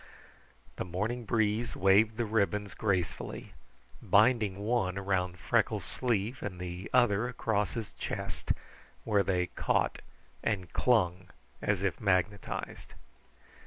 The morning breeze waved the ribbons gracefully, binding one around Freckles' sleeve and the other across his chest, where they caught and clung as if magnetized.